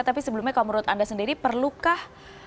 tapi sebelumnya kalau menurut anda sendiri perlukah